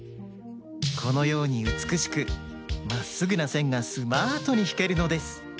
このようにうつくしくまっすぐなせんがスマートにひけるのです。